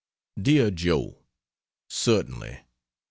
DEAR JOE, Certainly.